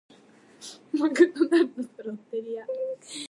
マクドナルドとロッテリア